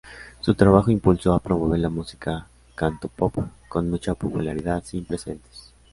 Su trabajo impulsó ha promover la música cantopop con mucha popularidad sin precedentes.